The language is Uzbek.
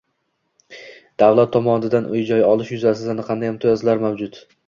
Davlat tomonidan uy joy olish yuzasidan qanday imtiyozlar mavjud?